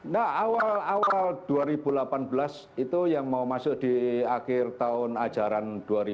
nah awal awal dua ribu delapan belas itu yang mau masuk di akhir tahun ajaran dua ribu delapan belas